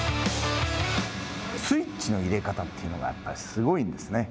スイッチの入れ方というのがすごいんですね。